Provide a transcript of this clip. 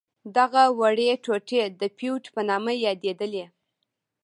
دغه وړې ټوټې د فیوډ په نامه یادیدلې.